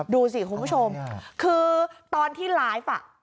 ดูสิคุณผู้ชมคือตอนที่ไลฟ์